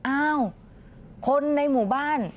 อ้าวคนในหมู่บ้าน